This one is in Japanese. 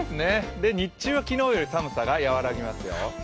日中は昨日より寒さがやわらぎますよ。